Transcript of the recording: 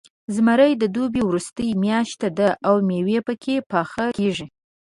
زمری د دوبي وروستۍ میاشت ده، او میوې پکې پاخه کېږي.